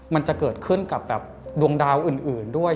มันจะเกิดขึ้นกับดวงดาวอื่นด้วย